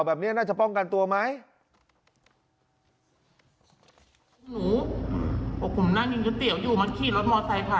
แบบนี้น่าจะป้องกันตัวไหม